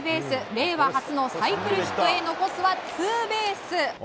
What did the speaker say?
令和初のサイクルヒットへ残すはツーベース。